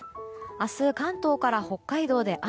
明日、関東から北海道で雨。